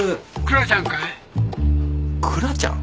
クラちゃん？